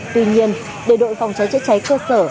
tuy nhiên để đội phòng cháy chữa cháy cơ sở